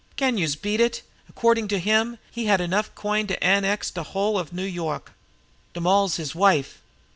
"Can youse beat it! Accordin' to him, he had enough coin to annex de whole of Noo Yoik! De moll's his wife.